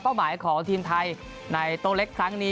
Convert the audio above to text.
หมายของทีมไทยในโต๊เล็กครั้งนี้